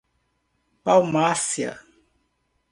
Palmácia